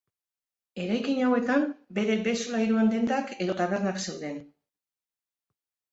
Eraikin hauetan, bere behe solairuan dendak edo tabernak zeuden.